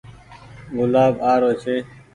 گلآب آ رو ڇي ۔